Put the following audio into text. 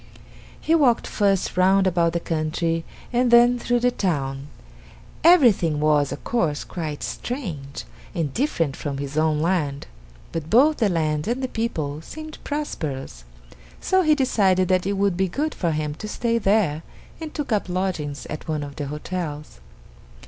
He walked first round about the country and then through the town. Everything was, of course, quite strange, and different from his own land. But both the land and the people seemed prosperous, so he decided that it would be good for him to stay there and took up lodgings at one of the hotels.